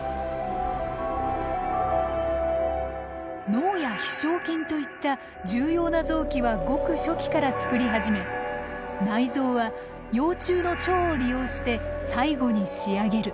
脳や飛しょう筋といった重要な臓器はごく初期から作り始め内臓は幼虫の腸を利用して最後に仕上げる。